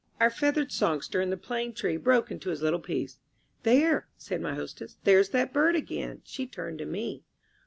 Our feathered songster in the plane tree broke into his little piece. "There," said my hostess "there's that bird again." She turned to me.